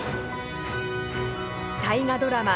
大河ドラマ